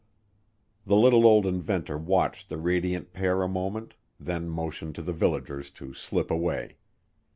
The little old inventor watched the radiant pair a moment then motioned to the villagers to slip away.